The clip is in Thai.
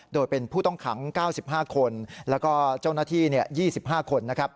โดยเป็นผู้ต้องขัง๙๕คนแล้วก็เจ้าหน้าที่๒๕คนนะครับ